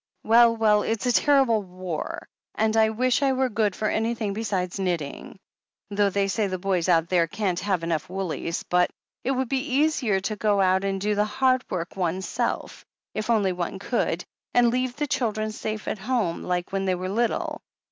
"Well, well, it's a terrible war, and I wish I were good for anything besides knitting. Though they say the boys out there can't have enough woollies. But it would be easier to go out and do the hard work one self, if only one could, and leave the children safe at home, like when they were little.